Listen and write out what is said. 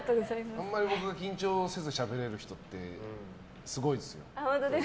あまり僕が緊張せずしゃべれる人ってすごいですよ。